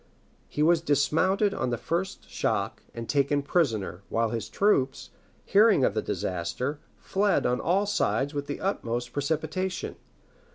He was dismounted on the first shock, and taken prisoner; while his troops, hearing of this disaster, fled on all sides with the utmost precipitation.